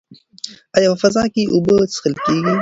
ایا په فضا کې اوبه څښل کیږي؟